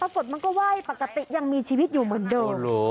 ปรากฏมันก็ไหว้ปกติยังมีชีวิตอยู่เหมือนเดิม